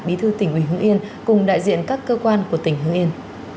bí thư tỉnh hưng yên cùng đại diện các cơ quan của tỉnh hưng yên